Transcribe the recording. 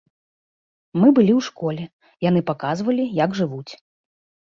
Мы былі ў школе, яны паказвалі, як жывуць.